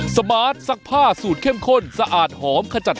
สวัสดีค่ะสวัสดีครับ